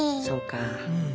そうか。